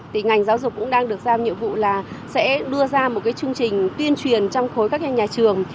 thì ngành giáo dục cũng đang được giao nhiệm vụ là sẽ đưa ra một cái chương trình tuyên truyền trong khối các nhà trường